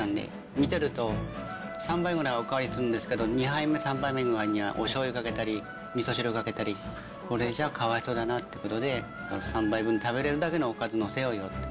見てると、３杯ぐらいお代わりするんですけど、２杯目、３杯目ぐらいにはおしょうゆかけたり、みそ汁かけたり、これじゃ、かわいそうだなってことで、３杯分食べれるだけのおかずを載せようよって。